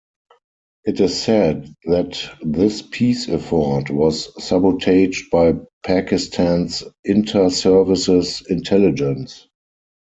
It is said that this peace effort was sabotaged by Pakistan's Inter Services Intelligence.